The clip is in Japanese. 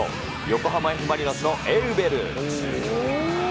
横浜Ｆ・マリノスのエウベル。